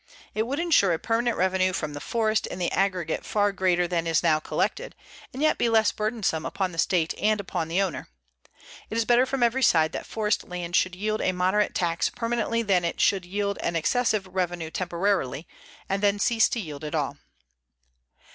It would insure a permanent revenue from the forest in the aggregate far greater than is now collected, and yet be less burdensome upon the state and upon the owner. It is better from every side that forest land should yield a moderate tax permanently than that it should yield an excessive revenue temporarily, and then cease to yield at all."